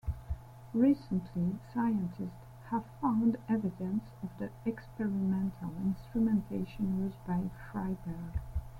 Recently, scientists have found evidence of the experimental instrumentation used by Freiberg.